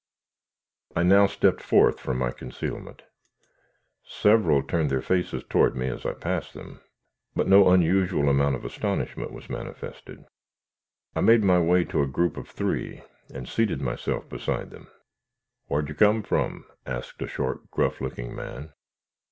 I now stepped forth from my concealment. Several turned their faces toward me as I passed them, but no unusual amount of astonishment was manifested. I made my way to a group of three, and seated myself beside them. "Whar'd you come from?" asked a short, gruff looking man.